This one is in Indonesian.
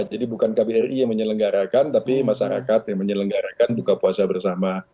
jadi bukan kbri yang menyelenggarakan tapi masyarakat yang menyelenggarakan buka puasa bersama